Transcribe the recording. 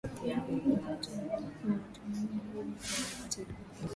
ina matumaini hili kwa wakati huu